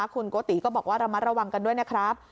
คุณโกติก็บอกว่าระมัดระวังกันด้วยนะครับ